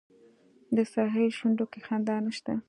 د ساحل شونډو کې خندا نشته